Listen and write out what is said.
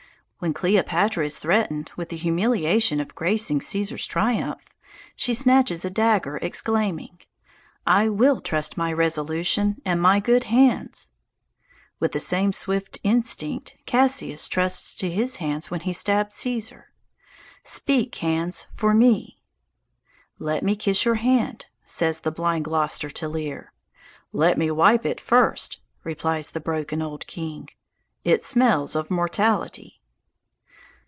When Cleopatra is threatened with the humiliation of gracing Cæsar's triumph, she snatches a dagger, exclaiming, "I will trust my resolution and my good hands." With the same swift instinct, Cassius trusts to his hands when he stabs Cæsar: "Speak, hands, for me!" "Let me kiss your hand," says the blind Gloster to Lear. "Let me wipe it first," replies the broken old king; "it smells of mortality."